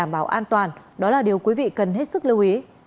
đảm bảo an toàn đó là điều quý vị cần hết sức lưu ý